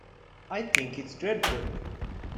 I think it's dreadful.